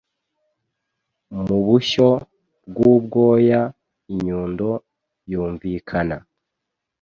Mubushyo bwubwoya Inyundo yumvikana